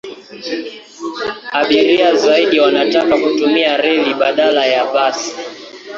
Abiria zaidi wanataka kutumia reli badala ya basi.